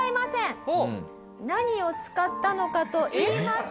何を使ったのかといいますと。